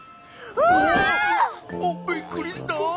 うわ！びっくりした。